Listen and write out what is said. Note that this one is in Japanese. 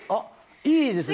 いいですね！